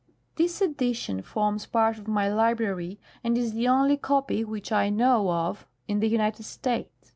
This edition forms part of my library, and is the only copy which I know of in the United States.